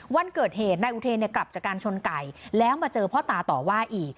วันเกิดเหตุนายอุเทนกลับจากการชนไก่แล้วมาเจอพ่อตาต่อว่าอีก